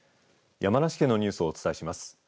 山梨県のニュースをお伝えします。